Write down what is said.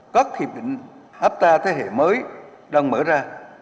các hiệp định hấp ta thế hệ mới đang mở ra